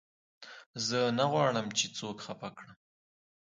زه نه غواړم، چي څوک خفه کړم.